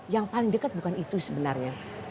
yang paling dekat bukan itu sebenarnya